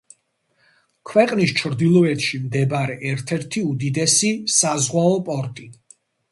ქვეყნის ჩრდილოეთში მდებარე ერთ-ერთი უდიდესი საზღვაო პორტი.